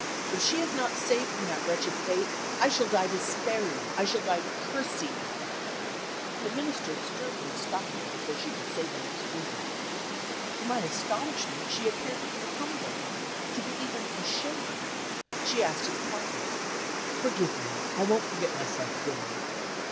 If she is not saved from that wretched fate, I shall die despairing, I shall die cursing " The Minister sternly stopped her before she could say the next word. To my astonishment she appeared to be humbled, to be even ashamed: she asked his pardon: "Forgive me; I won't forget myself again.